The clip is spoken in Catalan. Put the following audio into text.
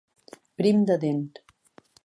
Prim de dent.